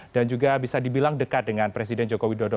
dan juga bisa dibilang dekat dengan presiden joko widodo